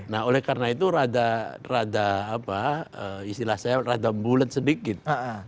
nah oleh karena itu rada apa istilah saya rada bulet sedikit